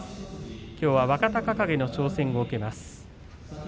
きょうは若隆景の挑戦を受けます。